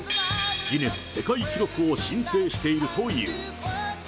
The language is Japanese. ギネス世界記録を申請しているという。